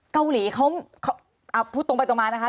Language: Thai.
เกาหลีเขาพูดตรงไปตรงมานะคะ